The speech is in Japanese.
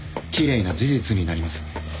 きれいな事実になります。